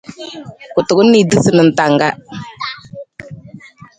Kutukun niisutu na fakang.